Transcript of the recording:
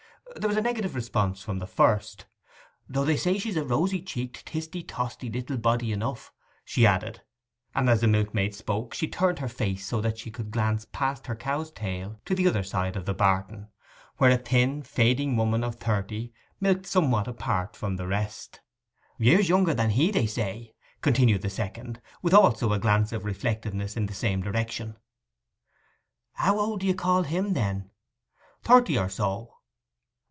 There was a negative response from the first. 'Though they say she's a rosy cheeked, tisty tosty little body enough,' she added; and as the milkmaid spoke she turned her face so that she could glance past her cow's tail to the other side of the barton, where a thin, fading woman of thirty milked somewhat apart from the rest. 'Years younger than he, they say,' continued the second, with also a glance of reflectiveness in the same direction. 'How old do you call him, then?' 'Thirty or so.